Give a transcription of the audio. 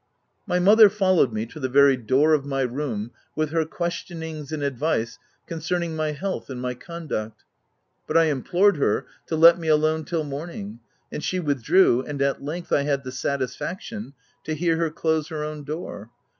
My mother followed me to the very door of my room with her questionings and advice con cerning my health and my conduct ; but I implored her to let me alone till morning ; and she with drew, and at length, I had the satisfaction to hear her close her own door.